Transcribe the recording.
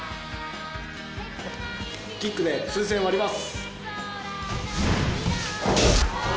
キックで風船割ります。